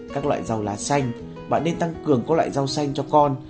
các loại rau lá xanh bạn nên tăng cường các loại rau xanh cho con